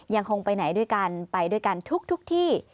ยังคงไปไหนด้วยกันไปด้วยกันทุกที่